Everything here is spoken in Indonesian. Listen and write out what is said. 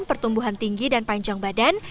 pertumbuhan tinggi dan panjang badan